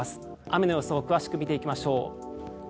雨の予想詳しく見ていきましょう。